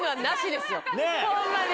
ホンマに。